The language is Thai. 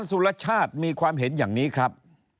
สุรชาติมีความเห็นอย่างนี้ครับ